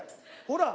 ほら！